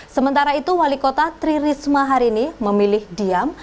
sementara itu wali kota tri risma hari ini memilih diam